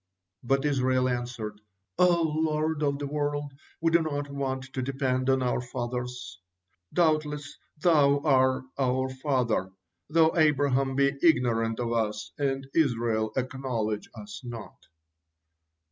But Israel answered: "O Lord of the world! We do not want to depend on our fathers. 'Doubtless Thou are our Father, though Abraham be ignorant of us, and Israel acknowledge us not."